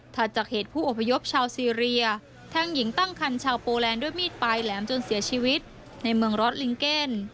จากเหตุผู้อพยพชาวซีเรียแทงหญิงตั้งคันชาวโปแลนด์ด้วยมีดปลายแหลมจนเสียชีวิตในเมืองรอดลิงเก้น